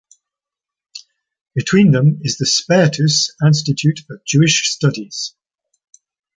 Between them is the Spertus Institute of Jewish Studies.